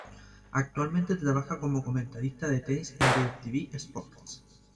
Actualmente trabaja como comentarista de tenis en Directv Sports.